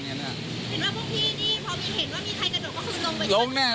เห็นว่าพวกพี่นี่พอเห็นว่ามีใครกระโดดก็คือลงไปช่วย